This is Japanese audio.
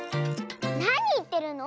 なにいってるの！